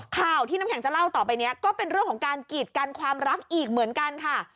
ข่าวที่น้ำแข็งจะเล่าต่อไปนี้ก็เป็นเรื่องของการกีดกันความรักอีกเหมือนกันค่ะ